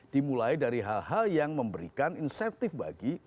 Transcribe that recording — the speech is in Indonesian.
dimulai dari hal hal yang memberikan insentif bagi